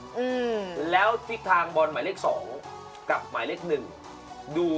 กูก็พูดอย่างเงี้ยแหละ